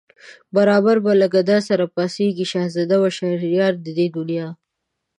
برابر به له گدايه سره پاڅي شهزاده و شهريار د دې دنیا